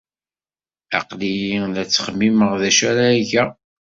Aql-i la ttxemmimeɣ d acu ara geɣ.